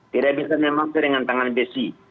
tidak bisa memakai dengan tangan besi